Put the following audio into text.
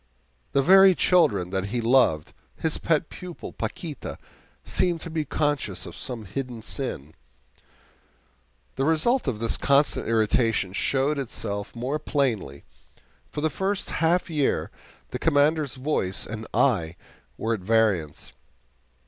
The very children that he loved his pet pupil, Paquita seemed to be conscious of some hidden sin. The result of this constant irritation showed itself more plainly. For the first half year the Commander's voice and eye were at variance.